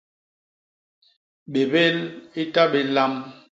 Bébél i ta bé lam!